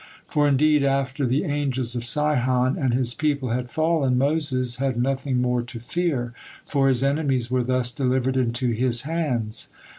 For indeed after the angels of Sihon and his people had fallen, Moses had nothing more to fear, for his enemies were thus delivered into his hands.